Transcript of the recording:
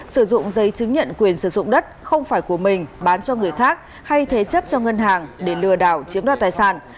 sử dụng giấy chứng nhận quyền sử dụng đất không phải của mình bán cho người khác hay thế chấp cho ngân hàng để lừa đảo chiếm đoạt tài sản